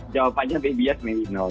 jawabannya lebih biasa menino